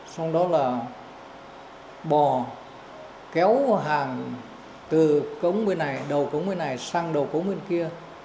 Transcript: xong đó là bò kéo hàng từ cống bên này đầu cống bên này sang đầu cống bên kia